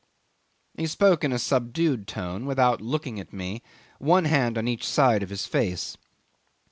... He spoke in a subdued tone, without looking at me, one hand on each side of his face.